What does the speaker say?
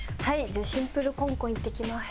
じゃあシンプルコンコンいってきます。